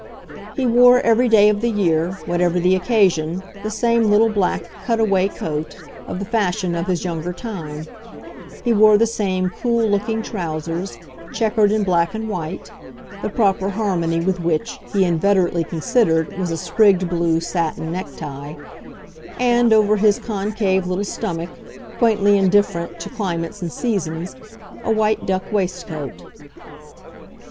He wore every day of the year, whatever the occasion, the same little black "cut away" coat, of the fashion of his younger time; he wore the same cool looking trousers, chequered in black and white the proper harmony with which, he inveterately considered, was a sprigged blue satin necktie; and, over his concave little stomach, quaintly indifferent to climates and seasons, a white duck waistcoat.